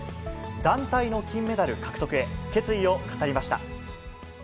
団体の金メダル獲得へ、決意を語りました。